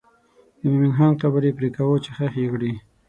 د مومن خان قبر یې پرېکاوه چې ښخ یې کړي.